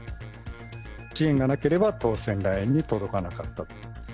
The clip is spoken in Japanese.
支援がなければ当選ラインに届かなかったと。